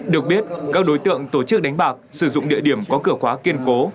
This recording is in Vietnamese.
được biết các đối tượng tổ chức đánh bạc sử dụng địa điểm có cửa khóa kiên cố